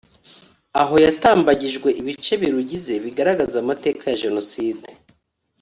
aho yatambagijwe ibice birugize bigaragaza amateka ya Jenoside